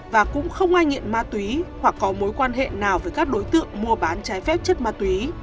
và cũng không ai nghiện ma túy hoặc có mối quan hệ nào với các đối tượng mua bán trái phép chất ma túy